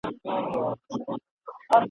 په سرونو کي يې شوردی ..